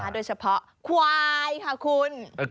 โดยเฉพาะควายค่ะคุณ